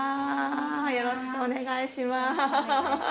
よろしくお願いします。